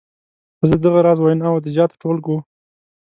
زه د دغه راز ویناوو د زیاتو ټولګو.